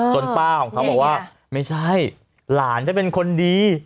ป้าของเขาบอกว่าไม่ใช่หลานจะเป็นคนดี